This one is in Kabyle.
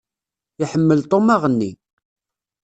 Iḥemmel Tom aɣenni.